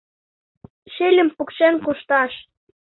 Шӱльым пукшен кушташ.